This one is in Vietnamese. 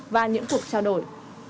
và những cuộc trao đổi